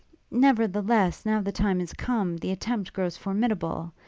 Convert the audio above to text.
Nevertheless, now the time is come, the attempt grows formidable.